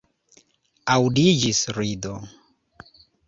Aŭdiĝis rido.